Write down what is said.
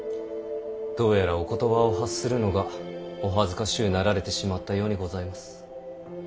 どうやらお言葉を発するのがお恥ずかしうなられてしまったようにございます。